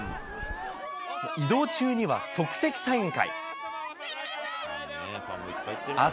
移動中には即席サイン会。